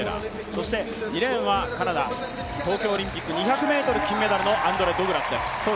そして２レーンはカナダ東京オリンピック２００ｍ金メダルのアンドレ・ド・グラスです。